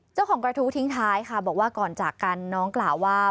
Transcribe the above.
เจ้าของกระทู้ทิ้งท้ายค่ะบอกว่าก่อนจากกันน้องกล่าวว่า